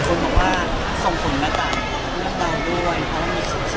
เพราะเรามีสมศาบังชนสัตว์ในบ้าน